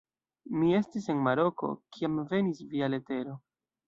Mi estis en Maroko, kiam venis via letero.